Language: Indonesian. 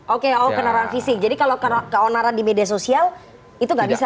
oke oh keonaran fisik jadi kalau keonaran di media sosial itu nggak bisa